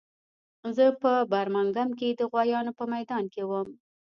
زه په برمنګهم کې د غویانو په میدان کې وم